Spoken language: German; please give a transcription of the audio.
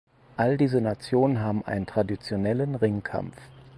Alle diese Nationen haben einen traditionellen Ringkampf.